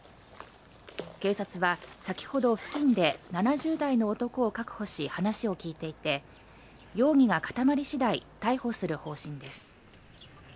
警察は先ほど、付近で７０代の男を確保し話を聞いていて容疑が固まり次第逮捕する方針です。